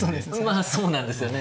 まあそうなんですよね。